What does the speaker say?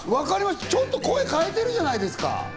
ちょっと声変えてるじゃないですか。